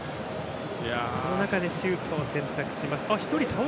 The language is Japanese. その中でシュートを選択しました。